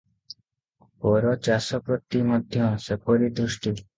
ପର ଚାଷ ପ୍ରତି ମଧ୍ୟ ସେପରି ଦୃଷ୍ଟି ।